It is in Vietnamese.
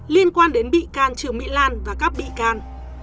liên quan đến bị can trương mỹ lan và các bị can